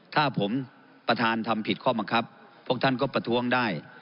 ถ้าผมประธานทำผิดข้อบังคับพวกท่านก็ประท้วงได้